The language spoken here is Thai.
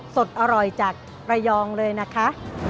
สดอร่อยจากระยองเลยนะคะ